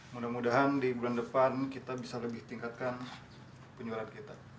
mudah mudahan di bulan depan kita bisa lebih tingkatkan penjualan kita